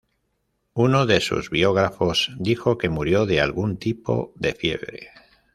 Uno de sus biógrafos dijo que murió de algún tipo de fiebre.